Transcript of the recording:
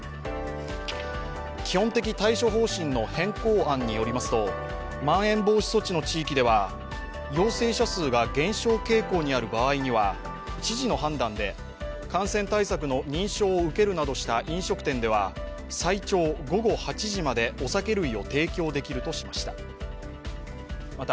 基本的対処方針の変更案によりますと、まん延防止措置の地域では、陽性者数が減少傾向にある場合には知事の判断で感染対策の認証を受けるなどした飲食店では最長午後８時までお酒類を提供できるとしました。